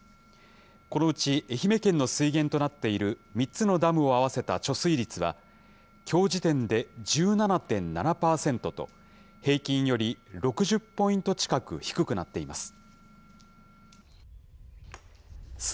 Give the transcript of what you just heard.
このうち愛媛県の水源となっている３つのダムを合わせた貯水率は、きょう時点で１７．７％と、平均より６０ポイント近く低くなっています。